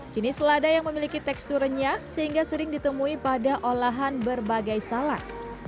jenis selada yang memiliki teksturnya sehingga sering ditemui pada olahan berbagai salad